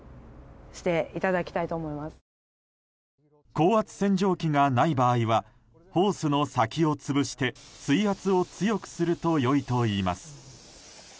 高圧洗浄機がない場合はホースの先を潰して水圧を強くすると良いといいます。